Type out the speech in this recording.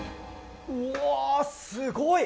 うわ、すごい！